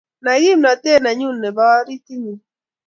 Nai kimnatet nenyun nebo aritingung